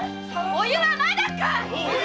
お湯はまだかい！